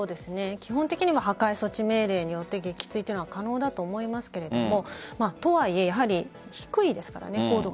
基本的には破壊措置命令によって撃墜は可能だと思いますがとはいえ低いですからね、高度が。